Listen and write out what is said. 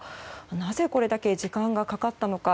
なぜこれだけ時間がかかったのか。